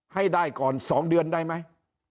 ให้ได้ก่อน๒เดือนได้ไหม